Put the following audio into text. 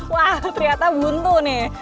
wah ternyata buntu nih